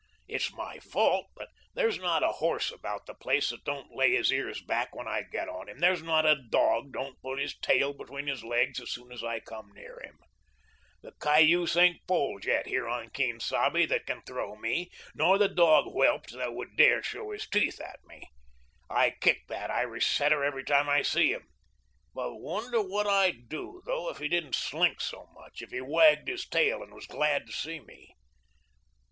It's my fault, but there's not a horse about the place that don't lay his ears back when I get on him; there's not a dog don't put his tail between his legs as soon as I come near him. The cayuse isn't foaled yet here on Quien Sabe that can throw me, nor the dog whelped that would dare show his teeth at me. I kick that Irish setter every time I see him but wonder what I'd do, though, if he didn't slink so much, if he wagged his tail and was glad to see me?